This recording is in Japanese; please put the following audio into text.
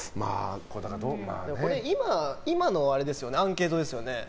今のアンケートですよね。